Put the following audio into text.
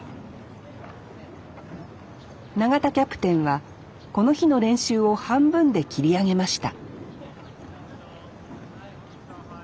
永田キャプテンはこの日の練習を半分で切り上げました